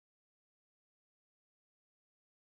د یو جریب ځمکې لپاره څومره د غنمو تخم پکار دی؟